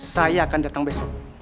saya akan datang besok